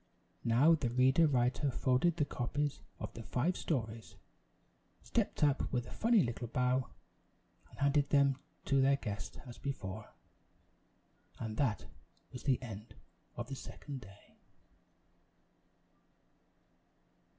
Now the Ready Writer folded the copies of the five stories; stepped up with a funny little bow and handed them to their guest as before; and that was the end of the Second Day.